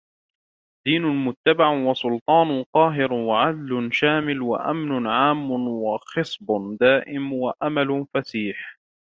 دِينٌ مُتَّبَعٌ وَسُلْطَانٌ قَاهِرٌ وَعَدْلٌ شَامِلٌ وَأَمْنٌ عَامٌّ وَخِصْبٌ دَائِمٌ وَأَمَلٌ فَسِيحٌ